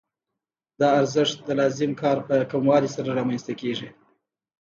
دا ارزښت د لازم کار په کموالي سره رامنځته کېږي